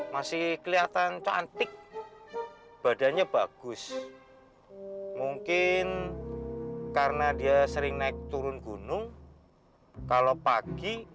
masih kelihatan cantik badannya bagus mungkin karena dia sering naik turun gunung kalau pagi